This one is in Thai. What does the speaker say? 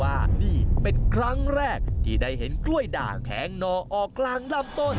ว่านี่เป็นครั้งแรกที่ได้เห็นกล้วยด่างแผงนอออกกลางลำต้น